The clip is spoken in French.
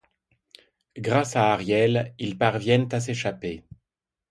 Grâce à Ariel, ils parviennent à s'échapper.